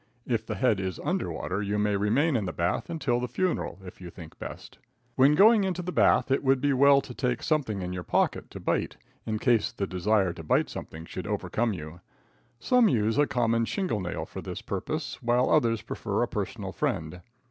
If the head is under water, you may remain in the bath until the funeral, if you think best. When going into the bath it would be well to take something in your pocket to bite, in case the desire to bite something should overcome you. Some use a common shingle nail for this purpose, while others prefer a personal friend.